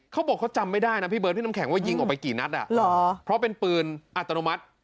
เขาบอกเขาจำไม่ได้นะพี่เบิร์พี่น้ำแข็งว่ายิงออกไปกี่นัดอ่ะเหรอเพราะเป็นปืนอัตโนมัติ